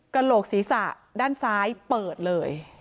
โหลกศีรษะด้านซ้ายเปิดเลย